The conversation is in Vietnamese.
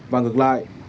và ngược lại